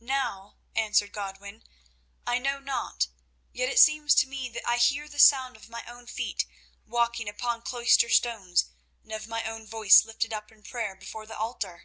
"Now," answered Godwin, "I know not. Yet it seems to me that I hear the sound of my own feet walking upon cloister stones, and of my own voice lifted up in prayer before the altar."